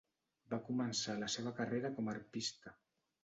Va començar la seva carrera com a arpista.